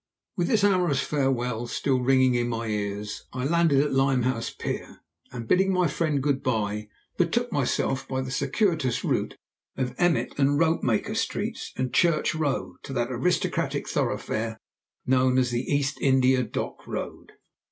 With this amorous farewell still ringing in my ears I landed at Limehouse Pier, and bidding my friend good bye betook myself by the circuitous route of Emmett and Ropemaker Streets and Church Row to that aristocratic thoroughfare known as the East India Dock Road.